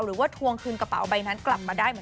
หรือว่าทวงคืนกระเป๋าใบนั้นกลับมาได้